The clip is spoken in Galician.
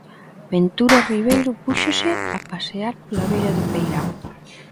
Ventura Ribeiro púxose a pasear pola beira do peirao.